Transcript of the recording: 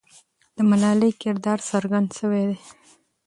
د ملالۍ کردار څرګند سوی دی.